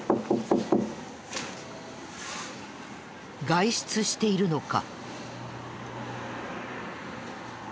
外出しているのか？